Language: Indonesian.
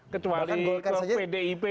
kecuali kalau pdip